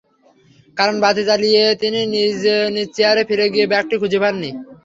কারণ, বাতি জ্বালিয়ে তিনি নিজ চেয়ারে ফিরে গিয়ে ব্যাগটি খুঁজে পাননি।